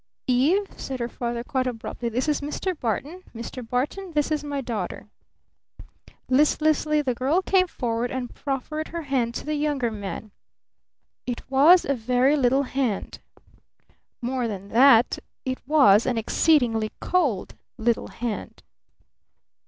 "Eve," said her father quite abruptly, "this is Mr. Barton! Mr. Barton, this is my daughter!" Listlessly the girl came forward and proffered her hand to the Younger Man. It was a very little hand. More than that, it was an exceedingly cold little hand.